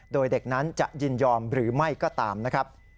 โดยเด็กนั้นจะยินยอมหรือไม่ก็ตามนะครับ